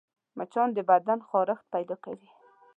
مچان د بدن خارښت پیدا کوي